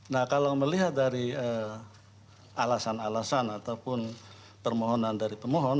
nah kalau melihat dari alasan alasan ataupun permohonan dari pemohon